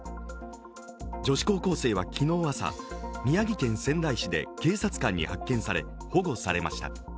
女子高校生は昨日朝、宮城県仙台市で警察官に発見され保護されました。